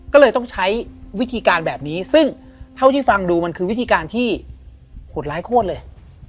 ก็เลยต้องใช้วิธีการแบบนี้ซึ่งเท่าที่ฟังดูมันคือวิธีการที่โหดร้ายโคตรเลย